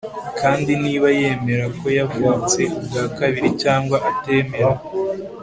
kandi niba yemera ko yavutse ubwa kabiri cyangwa atemera